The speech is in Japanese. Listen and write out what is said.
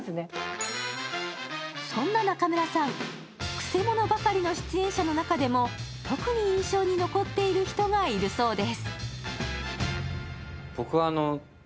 そんな中村さん、くせ者ばかりの出演者の中でも特に印象に残っている人がいるそうです。